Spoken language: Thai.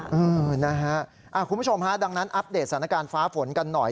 คุณผู้ชมฮะดังนั้นอัปเดตสถานการณ์ฟ้าฝนกันหน่อย